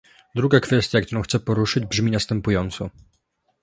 Druga kwestia, którą chcę poruszyć brzmi następująco